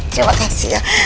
terima kasih ya